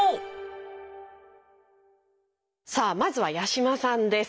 さあまずは八嶋さんです。